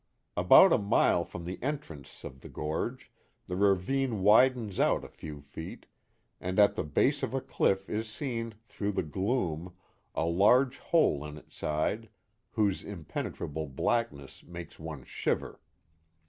About a mile from the entrance of the gorge, the ravine widens out a few feet and at the base of a cliff is seen, through the gloom, a large hole in its side, whose impenetrable blackness makes one shiver.